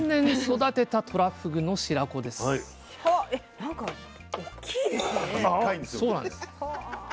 なんかおっきいですね。